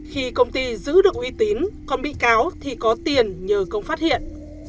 khi công ty giữ được uy tín còn bị cáo thì có tiền nhờ không phát hiện